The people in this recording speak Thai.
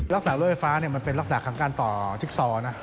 รักษารถไฟฟ้าเป็นรักษาการการต่อชิกซอ